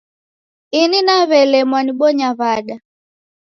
Ini naw'elemwa nibonya w'ada